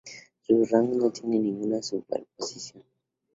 Sus rangos no tienen ninguna superposición.